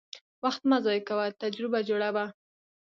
وخت مه ضایع کوه، تجربه جوړه وه.